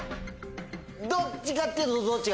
どっちかっていうと。